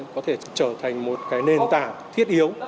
có thể trở thành một nền tảng thiết yếu